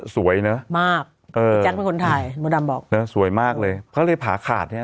สวยเนอะมากเออมดดำบอกเนอะสวยมากเลยเขาเลยผาขาดเนี้ย